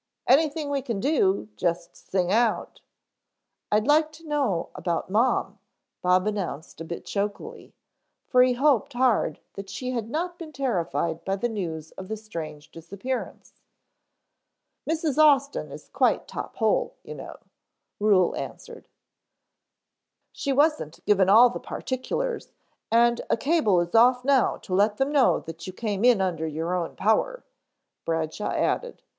"Anything we can do, just sing out " "I'd like to know about Mom," Bob announced a bit chokily, for he hoped hard that she had not been terrified by the news of the strange disappearance. "Mrs. Austin is quite top hole, you know." Ruhel answered. "She wasn't given all the particulars and a cable is off now to let them know that you came in under your own power," Bradshaw added.